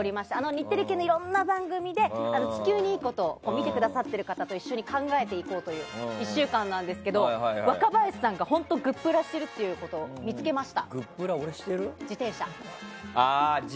日テレ系のいろいろな番組で見てくださってる方と一緒に考えていこうという１週間なんですけど若林さんが本当にグップラ知ってるってことを見つけました。